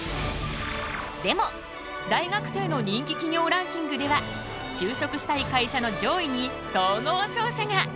でも大学生の人気企業ランキングでは就職したい会社の上位に総合商社が。